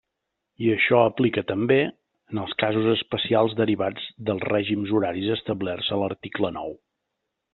I això aplica també, en els casos especials derivats dels règims horaris establerts a l'article nou.